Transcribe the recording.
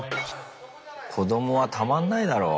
子どもはたまんないだろう。